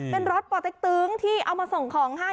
เป็นรถปเต็กตึงที่เอามาส่งของให้